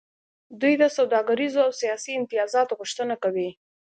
دوی د سوداګریزو او سیاسي امتیازاتو غوښتنه کوي